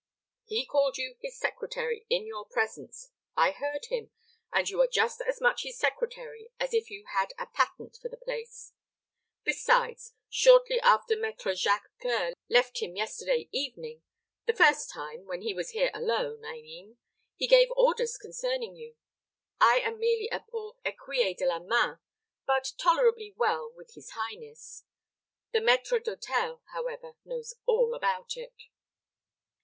He called you his secretary in your presence; I heard him, and you are just as much his secretary as if you had a patent for the place. Besides, shortly after Maître Jacques C[oe]ur left him yesterday evening the first time, when he was here alone, I mean he gave orders concerning you. I am merely a poor écuyer de la main, but tolerably well with his highness. The maître d'hôtel, however, knows all about it."